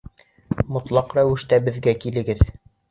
Мотлаҡ рәүештә беҙгә килегеҙ.